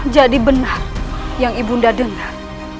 jadi benar yang ibu anda dengar